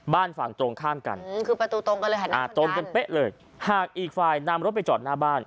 บ้านฝั่งตรงข้ามกันตรงกันเป๊ะเลยหากอีกฝ่ายนำรถไปจอดหน้าบ้าน